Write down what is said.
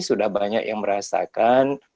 sudah banyak yang merasakan